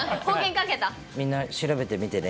みんな、調べてみてね。